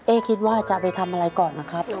คิดว่าจะไปทำอะไรก่อนนะครับ